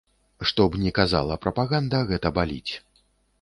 Што б ні казала прапаганда, гэта баліць.